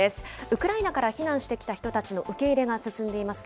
ウクライナから避難してきた人たちの受け入れが進んでいます